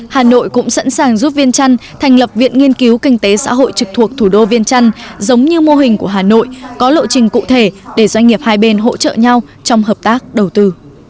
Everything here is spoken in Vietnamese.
hà nội cũng sẵn sàng giúp viên trăn thành lập viện nghiên cứu kinh tế xã hội trực thuộc thủ đô viên trăn giống như mô hình của hà nội có lộ trình cụ thể để doanh nghiệp hai bên hỗ trợ nhau trong hợp tác đầu tư